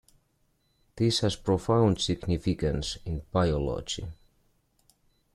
This has profound significance in biology.